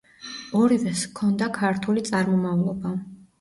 ორივეს ჰქონდა ქართული წარმომავლობა.